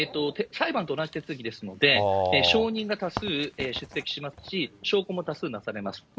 裁判と同じ手続きですので、証人が多数出席しますし、証拠も多数なされます。